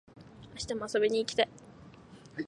明日も遊びに行きたい